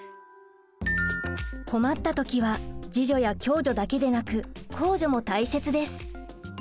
困った時は自助や共助だけでなく公助も大切です。